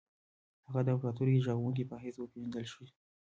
هغه د امپراطوري ژغورونکي په حیث وپېژندل شي.